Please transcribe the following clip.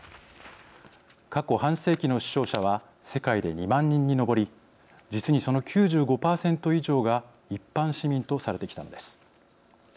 過去半世紀の死傷者は世界で２万人に上り実にその９５％以上が一般市民とされてきたのです。